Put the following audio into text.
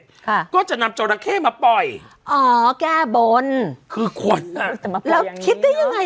ค่ะก็จะนำจราเข้มาปล่อยอ๋อแก้บนคือคนอ่ะแล้วคิดได้ยังไง